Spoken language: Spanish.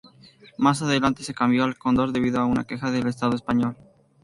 Más adelante se cambió al cóndor debido a una queja del estado español.